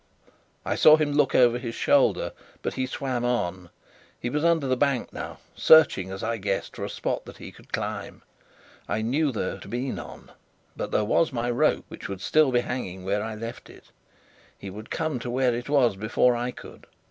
I saw him look over his shoulder, but he swam on. He was under the bank now, searching, as I guessed, for a spot that he could climb. I knew there to be none but there was my rope, which would still be hanging where I had left it. He would come to where it was before I could.